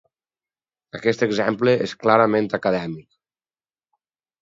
Aquest exemple és clarament acadèmic.